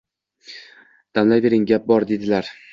–Damlayvering, gap bor, – dedilar.